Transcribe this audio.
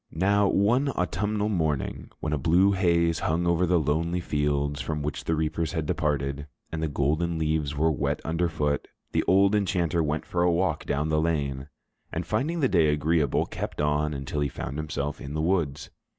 Now, one autumnal morning, when a blue haze hung over the lonely fields from which the reapers had departed, and the golden leaves were wet underfoot, the old enchanter went for a walk down the lane, and finding the day agreeable, kept on until he found himself in the woods.